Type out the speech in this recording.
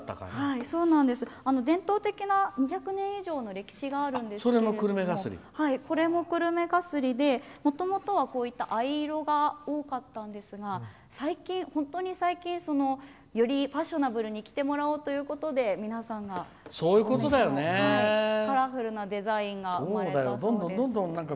伝統的な２００年以上の歴史があるんですけどこれも久留米絣でもともとは、こういった藍色が多かったんですがここに最近、よりファッショナブルに着てもらおうということで皆さんが着ているようなカラフルなデザインが生まれたんです。